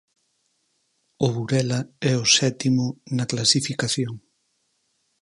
O Burela é o sétimo na clasificación.